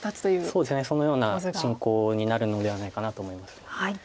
そうですねそのような進行になるのではないかなと思います。